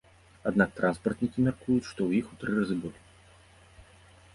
Аднак транспартнікі мяркуюць, што іх у тры разы болей.